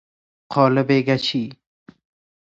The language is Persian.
قالب گچی